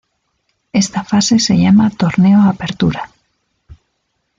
Esta fase se llama Torneo Apertura.